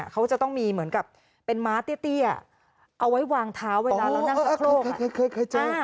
เขาจะต้องมีเหมือนกับเป็นม้าเตี้ยเอาไว้วางเท้าเวลาเรานั่งสักครู่